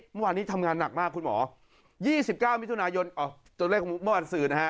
เมื่อวานนี้ทำงานหนักมากคุณหมอ๒๙วิทยุนายนอ๋อตัวเลขของวัคซีนนะฮะ